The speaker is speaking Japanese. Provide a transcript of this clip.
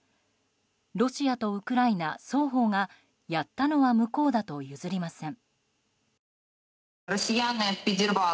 ロシアとウクライナ、双方がやったのは向こうだと譲りません。